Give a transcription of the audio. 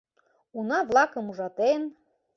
Уна-влакым ужатен;